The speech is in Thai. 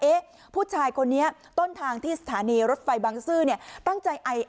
เอ๊ะผู้ชายคนนี้ต้นทางที่สถานีรถไฟบังซื้อเนี่ย